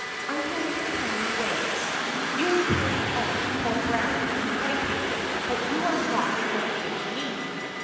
I know your cunning ways. You have carried off poor Browny and Whity, but you are not going to get me."